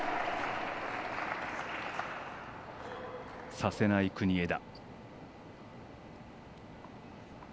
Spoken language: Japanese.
させない、国枝。